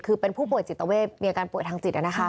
คือเป็นผู้ป่วยจิตเวทมีอาการป่วยทางจิต